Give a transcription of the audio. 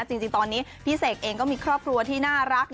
จริงตอนนี้พี่เสกเองก็มีครอบครัวที่น่ารัก